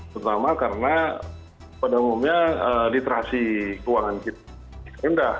terutama karena pada umumnya literasi keuangan kita rendah